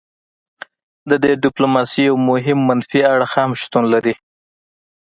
د دې ډیپلوماسي یو مهم منفي اړخ هم شتون لري